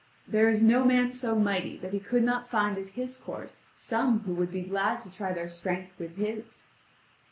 There is no man so mighty that he could not find at his court some who would be glad to try their strength with his."